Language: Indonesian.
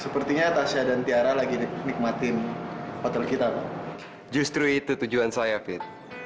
sepertinya tasya dan tiara lagi nikmatin hotel kita pak justru itu tujuan saya fit